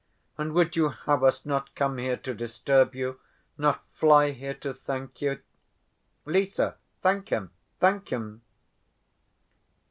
And would you have us not come here to disturb you, not fly here to thank you? Lise, thank him—thank him!"